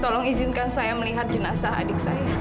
tolong izinkan saya melihat jenazah adik saya